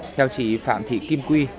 theo chị phạm thị kim quy